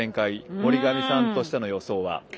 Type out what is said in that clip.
森上さんとしての予想は？